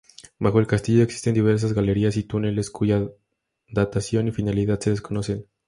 Bajo el castillo, existen diversas galerías y túneles, cuya datación y finalidad se desconocen.